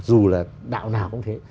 dù là đạo nào cũng thế